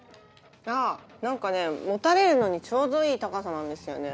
あぁ何かねもたれるのにちょうどいい高さなんですよね。